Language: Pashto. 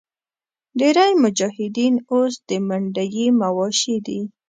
ډېری مجاهدین اوس د منډیي مواشي دي.